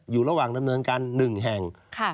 อยู่ระหว่างดำเนินการ๑แห่ง